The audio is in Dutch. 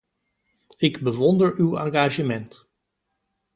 Ik bewonder uw engagement.